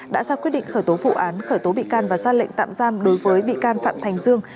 đã ra quyết định khởi tố vụ án khởi tố bị can và xác lệnh tạm giam đối với bị can phạm thành dương